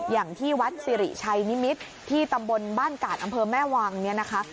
อย่างที่วัดสิริชัยนิมิตรที่ตำบลบ้านกาดอำเภอแม่วังเนี่ยนะคะ